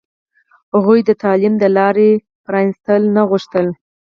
هغوی د تعلیم د لارې پرانستل نه غوښتل.